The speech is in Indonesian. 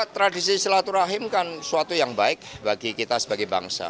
tradisi silaturahim kan suatu yang baik bagi kita sebagai bangsa